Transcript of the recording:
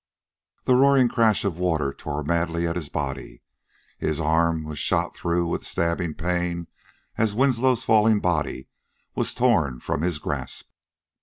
The roaring crash of water tore madly at his body; his arm was shot through with stabbing pain as Winslow's falling body was torn from his grasp.